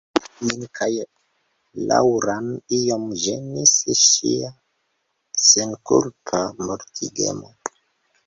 Min kaj Laŭran iom ĝenis ŝia senkulpa mortigemo.